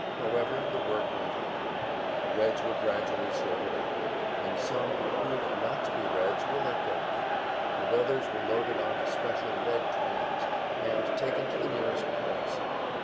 However, the work went on; the Reds were gradually sorted out, and some who proved not to be Reds were let go again, and others were loaded onto special Red trains and taken to the nearest ports.